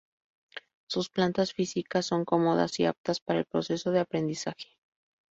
Sus plantas físicas son cómodas y aptas para el proceso de aprendizaje.